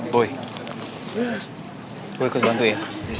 boy gue ikut bantu ya